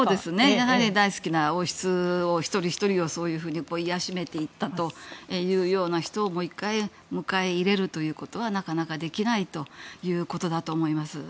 やはり大好きな王室一人ひとりを卑しめていったという人をもう一回迎え入れるということはなかなかできないということだと思います。